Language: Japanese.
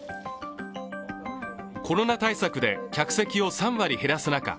コロナ対策で客席を３割減らす中